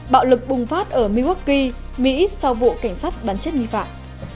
bạo lực bùng phát ở mikoki mỹ sau vụ cảnh sát bắn chết nghi phạm